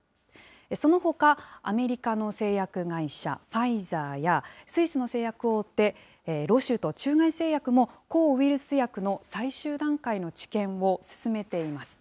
そのほか、アメリカの製薬会社、ファイザーや、スイスの製薬大手、ロシュと中外製薬も、抗ウイルス薬の最終段階の治験を進めています。